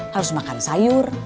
harus makan sayur